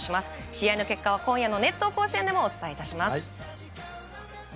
試合の結果は今夜の「熱闘甲子園」でもお伝えします。